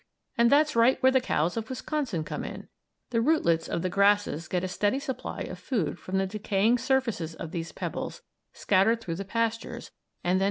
And that's right where the cows of Wisconsin come in. The rootlets of the grasses get a steady supply of food from the decaying surfaces of these pebbles scattered through the pastures, and then pass it on to the cows.